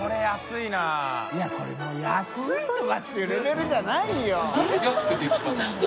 いこれもう安いとかっていうレベルじゃないよ。